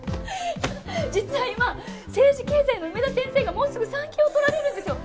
実は今政治経済の梅田先生がもうすぐ産休を取られるんですよ。